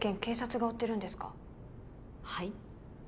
警察が追ってるんですかはい？